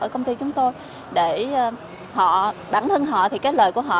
ở công ty chúng tôi bản thân họ thì lời của họ